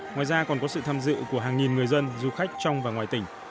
ngoài ra còn có sự tham dự của hàng nghìn người dân du khách trong và ngoài tỉnh